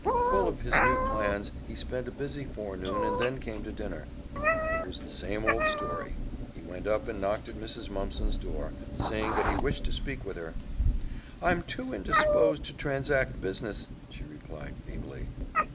Full of his new plans he spent a busy forenoon and then came to dinner. It was the same old story. He went up and knocked at Mrs. Mumpson's door, saying that he wished to speak with her. "I'm too indisposed to transact business," she replied feebly.